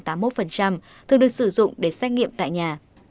thường được sử dụng để xét nghiệm tại nhà